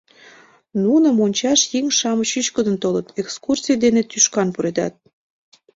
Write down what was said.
Нуным ончаш еҥ-шамыч чӱчкыдын толыт, экскурсий дене тӱшкан пуредат.